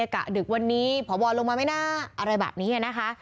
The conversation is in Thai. กะดึกวันนี้พบลงมาไหมนะอะไรแบบนี้นะคะ